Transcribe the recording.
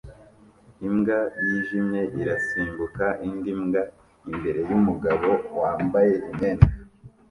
Imbwa yijimye irasimbuka indi mbwa imbere yumugabo wambaye imyenda